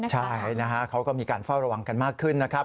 ใช่นะฮะเขาก็มีการเฝ้าระวังกันมากขึ้นนะครับ